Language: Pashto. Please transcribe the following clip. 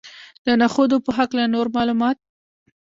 د نخودو په هکله نور معلومات.